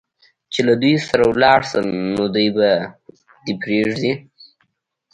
چې له دوی سره ولاړ شم، نو دوی به دې پرېږدي؟